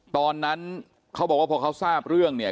ตอนนั้นเขาบอกว่าพอเขาทราบเรื่องเนี่ย